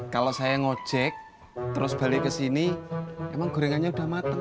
kalau saya ngojek terus balik ke sini emang gorengannya udah matang